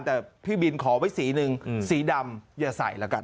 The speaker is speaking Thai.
แต่พี่บินขอไว้สีหนึ่งสีดำอย่าใส่แล้วกัน